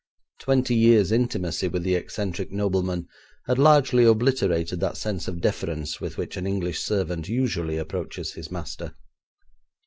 Twenty years' intimacy with the eccentric nobleman had largely obliterated that sense of deference with which an English servant usually approaches his master.